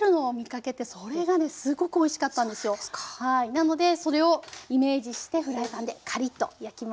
なのでそれをイメージしてフライパンでカリッと焼きます。